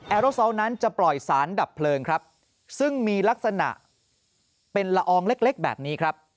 โรซอลนั้นจะปล่อยสารดับเพลิงครับซึ่งมีลักษณะเป็นละอองเล็กแบบนี้ครับ